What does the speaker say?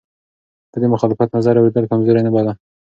ده د مخالف نظر اورېدل کمزوري نه بلله.